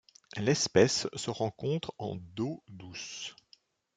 L’espèce se rencontre en d'eau douce.